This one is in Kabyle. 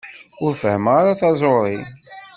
Ur fehmeɣ ara taẓuṛi.